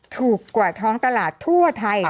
ถูกกว่าท้องตลาดทั่วไทย